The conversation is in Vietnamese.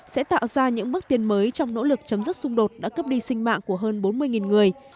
sẽ tạo ra những bước tiến mới trong nỗ lực chấm dứt xung đột đã cướp đi sinh mạng của hơn bốn mươi người